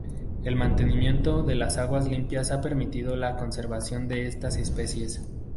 El mantenimiento de las aguas limpias ha permitido la conservación de estas especies.